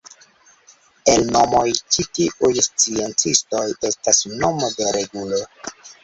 El nomoj ĉi tiuj sciencistoj estas nomo de regulo.